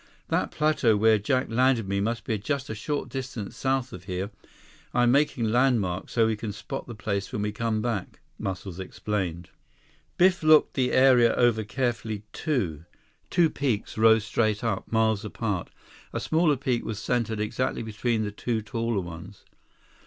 "That plateau where Jack landed me must be just a short distance south of here. I'm making landmarks so we can spot the place when we come back," Muscles explained. 130 Biff looked the area over carefully, too. Two peaks rose straight up, miles apart. A smaller peak was centered exactly between the two taller ones.